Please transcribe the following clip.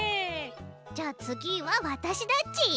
じゃあ次はわたしだち。